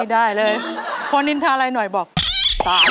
ได้เลยพอนินทาอะไรหน่อยบอก